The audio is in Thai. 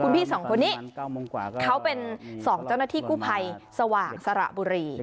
พี่สองคนนี้เขาเป็น๒เจ้าหน้าที่กู้ภัยสว่างสระบุรี